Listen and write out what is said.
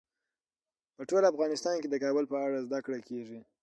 په ټول افغانستان کې د کابل په اړه زده کړه کېږي.